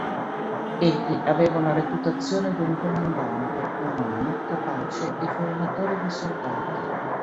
Egli aveva una reputazione di un comandante, umano, capace e formatore di soldati.